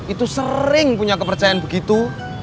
itu sering punya kepercayaan begitu